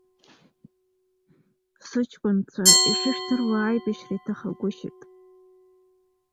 Сыҷкәынцәа, ишыжәдыруа, аибашьра иҭахагәышьеит.